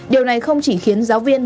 điều này không chỉ khiến giáo viên